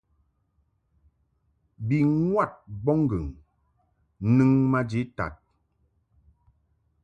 Bi ŋwad mbɔbŋgɨŋ nɨŋ maji tad.